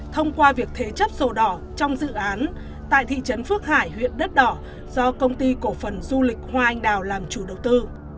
thông qua việc thế chấp sổ đỏ trong dự án tại thị trấn phước hải huyện đất đỏ do công ty cổ phần du lịch hoa anh đào làm chủ đầu tư